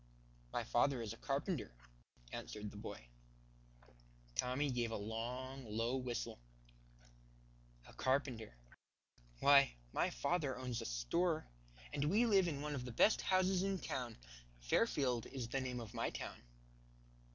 "My father is a carpenter," answered the boy. Tommy gave a long, low whistle. "A carpenter! Why my father owns a store, and we live in one of the best houses in town. Fairfield is the name of my town."